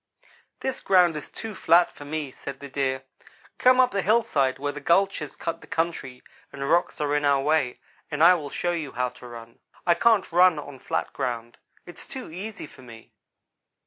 "'This ground is too flat for me,' said the Deer. 'Come up the hillside where the gulches cut the country, and rocks are in our way, and I will show you how to run. I can't run on flat ground. It's too easy for me.'